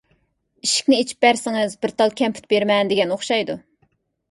ئىشىكنى ئېچىپ بەرسىڭىز بىر تال كەمپۈت بېرىمەن، دېگەن ئوخشايدۇ.